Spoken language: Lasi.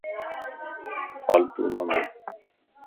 فالٽو نه ٻي